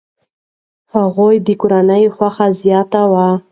هغوی د کورنۍ خوښي زیاتوي.